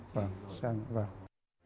vâng xác nhận được rồi